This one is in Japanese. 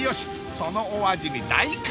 そのお味に大感動！